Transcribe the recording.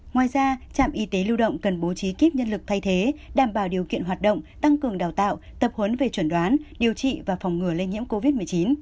ngoài ra trạm y tế lưu động cần bố trí kiếp nhân lực thay thế đảm bảo điều kiện hoạt động tăng cường đào tạo tập huấn về chuẩn đoán điều trị và phòng ngừa lây nhiễm covid một mươi chín